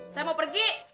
saya mau pergi